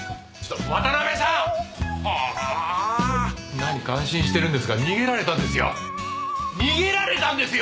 なに感心してるんですか逃げられたんですよ